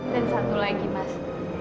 dan satu lagi mas